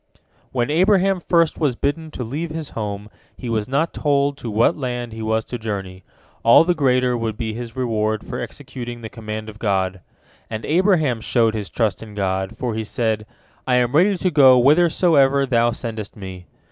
" When Abraham first was bidden to leave his home, he was not told to what land he was to journey—all the greater would be his reward for executing the command of God. And Abraham showed his trust in God, for he said, "I am ready to go whithersoever Thou sendest me."